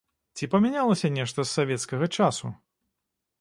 Ці памянялася нешта з савецкага часу?